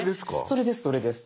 それですそれです。